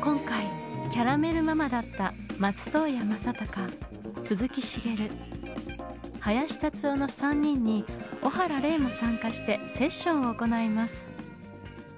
今回キャラメル・ママだった松任谷正隆鈴木茂林立夫の３人に小原礼も参加してセッションを行います。